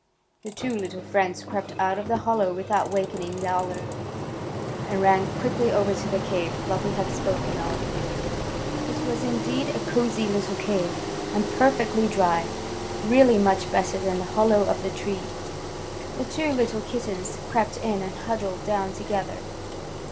The two little friends crept out of the hollow without wakening Yowler, and ran quickly over to the cave Fluffy had spoken of. It was indeed a cosy little cave and perfectly dry, really much better than the hollow of the tree. The two little kittens crept in and huddled down together.